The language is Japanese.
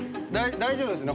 大丈夫ですね？